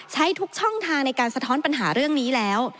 ใช้ทุกช่องทางในการสะท้อนปัญหาเรื่องนี้แล้ว